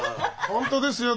本当ですよ。